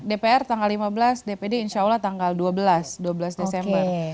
dpr tanggal lima belas dpd insya allah tanggal dua belas dua belas desember